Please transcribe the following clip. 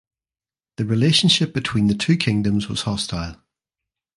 The relationship between the two kingdoms was hostile.